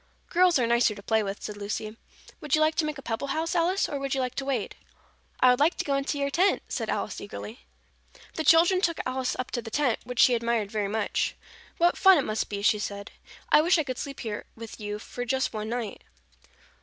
"Girls are nicer to play with," said Lucy. "Would you like to make a pebble house, Alice, or would you like to wade?" "I would like to go into your tent," said Alice eagerly. The children took Alice up to the tent, which she admired very much. "What fun it must be!" she said. "I wish I could sleep here with you just one night."